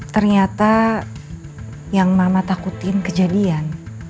ternyata yang mama takutin kejadian